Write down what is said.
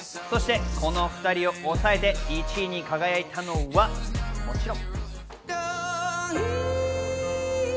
この２人を抑えて１位に輝いたのは、もちろん。